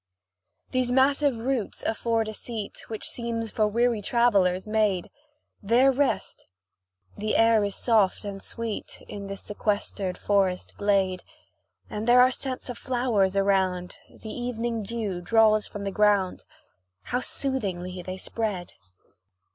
These massive roots afford a seat, Which seems for weary travellers made. There rest. The air is soft and sweet In this sequestered forest glade, And there are scents of flowers around, The evening dew draws from the ground; How soothingly they spread!